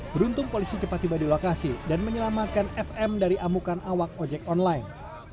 beruntung polisi cepat tiba di lokasi dan menyelamatkan fm dari amukan awak ojek online